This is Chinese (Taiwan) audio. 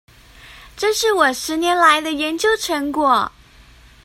這是我十年來的研究成果